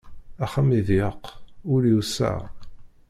Axxam iḍyeq, ul iwseɛ.